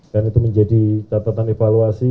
dan itu menjadi catatan evaluasi